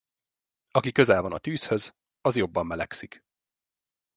Aki közel van a tűzhöz, az jobban melegszik.